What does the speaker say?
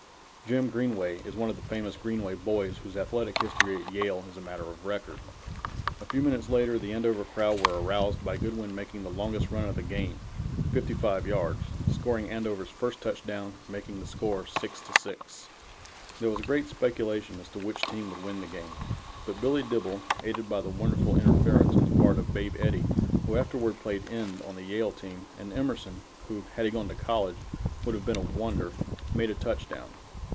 Jim Greenway is one of the famous Greenway boys whose athletic history at Yale is a matter of record. A few minutes later the Andover crowd were aroused by Goodwin making the longest run of the game fifty five yards, scoring Andover's first touchdown, and making the score 6 to 6. There was great speculation as to which team would win the game, but Billy Dibble, aided by the wonderful interference on the part of Babe Eddie, who afterward played end on the Yale team, and Emerson, who, had he gone to college, would have been a wonder, made a touchdown.